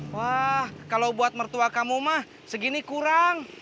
wah kalau buat mertua kamu mah segini kurang